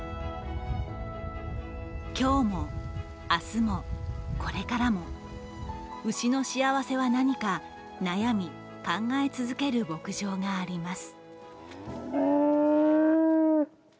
今日も、明日も、これからも、牛の幸せは何か、悩み考え続ける牧場があります。